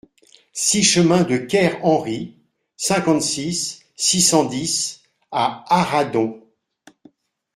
six chemin de Ker Henry, cinquante-six, six cent dix à Arradon